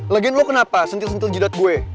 legian lo kenapa sentil sentil jidat gue